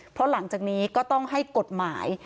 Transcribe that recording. เพราะหลังจากนี้ก็ต้องให้กฎหมาย